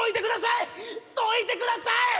どいてください！